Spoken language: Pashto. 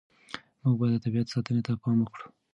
موږ باید د طبیعت ساتنې ته پام وکړو.